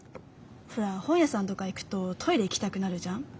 ほら本屋さんとか行くとトイレ行きたくなるじゃん？